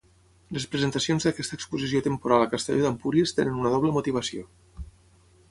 Les presentacions d'aquesta exposició temporal a Castelló d'Empúries tenen una doble motivació.